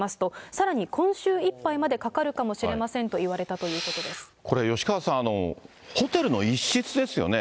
さらに今週いっぱいまでかかるかもしれませんと言われたというここれ、吉川さん、ホテルの一室ですよね。